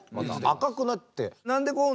赤くなって。